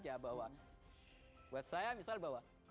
jadi saya kira bahwa buat saya misal bahwa